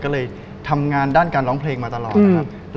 ก็เลยทำงานด้านการร้องเพลงมาตลอดนะครับ